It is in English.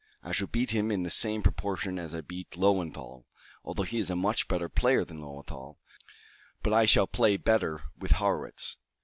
I shall beat him in the same proportion as I beat Löwenthal, although he is a better match player than Löwenthal. But I shall play better with Harrwitz."